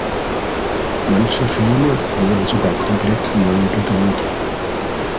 Manche Filme wurden sogar komplett neu gedreht.